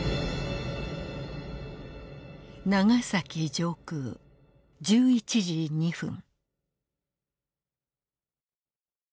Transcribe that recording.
長崎上空１１時２分。